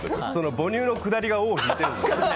母乳のくだりが尾を引いてるんですかね。